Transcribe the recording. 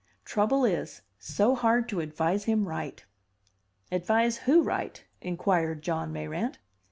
Trouble is, so hard to advise him right." "Advise who right?" inquired John Mayrant.